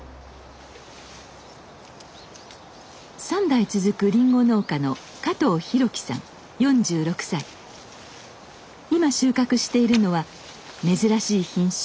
３代続くりんご農家の今収穫しているのは珍しい品種